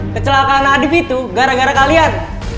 kecelakaan adib itu gara gara kalian